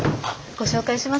ご紹介します。